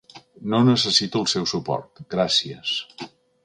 No necessito el seu suport, gràcies.